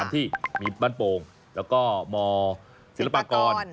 ที่บ้านโป่งแล้วก็มศิลปากร